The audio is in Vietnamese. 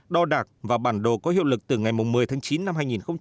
đo đạc và bản đồ có hiệu lực từ ngày một mươi tháng chín năm hai nghìn hai mươi